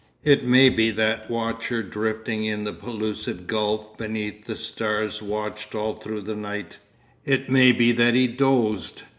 It may be that watcher drifting in the pellucid gulf beneath the stars watched all through the night; it may be that he dozed.